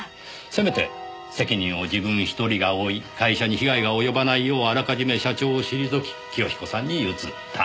せめて責任を自分１人が負い会社に被害が及ばないようあらかじめ社長を退き清彦さんに譲った。